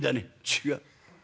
「違う。